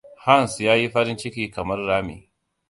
Hans ya yi farin ciki kamar Rami.